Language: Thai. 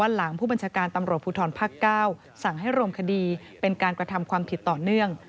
หลังผู้บัญชาการตำรวจภูทรภาค๙สั่งให้รวมคดีเป็นการกระทำความผิดต่อเนื่อง